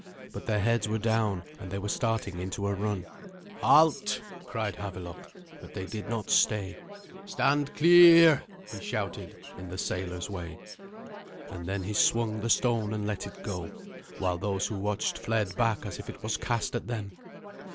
But their heads were down, and they were starting into a run. "Halt!" cried Havelok, but they did not stay. "Stand clear!" he shouted in the sailor's way. And then he swung the stone and let it go, while those who watched fled back as if it was cast at them.